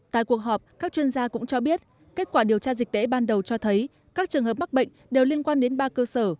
tại cuộc họp các chuyên gia cũng cho biết kết quả điều tra dịch tễ ban đầu cho thấy các trường hợp mắc bệnh đều liên quan đến ba cơ sở